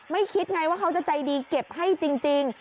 คิดไงว่าเขาจะใจดีเก็บให้จริง